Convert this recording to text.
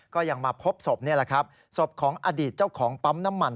ก็ยังมาพบศพนี่แหละครับศพของอดีตเจ้าของปั๊มน้ำมัน